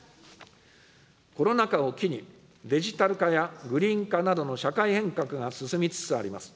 コロナ禍を機に、デジタル化やグリーン化などの社会変革が進みつつあります。